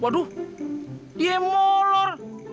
waduh dia molor